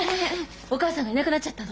お義母さんがいなくなっちゃったの。